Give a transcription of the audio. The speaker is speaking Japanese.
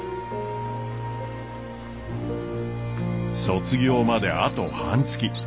卒業まであと半月。